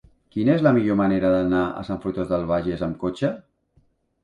Quina és la millor manera d'anar a Sant Fruitós de Bages amb cotxe?